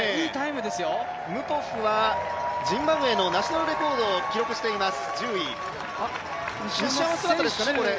ムポフはジンバブエのナショナルレコードを記録しています。